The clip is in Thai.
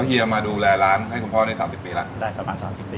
เหยียมาดูแลร้านให้คุณพ่อ๓๐ปีแล้ว